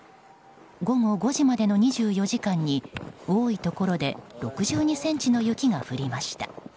午後５時までの２４時間に多いところで６２ｃｍの雪が降りました。